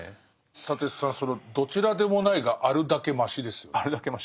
砂鉄さんその「どちらでもない」があるだけマシですよね。